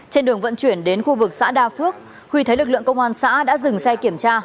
trên đường vận chuyển đến khu vực xã đa phước huy thấy lực lượng công an xã đã dừng xe kiểm tra